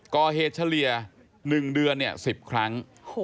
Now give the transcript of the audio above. ก่อเหตุเฉลี่ย๑เดือน๑๐ครั้ง